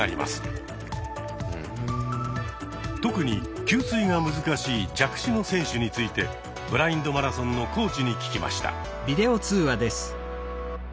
特に給水が難しい弱視の選手についてブラインドマラソンのコーチに聞きました。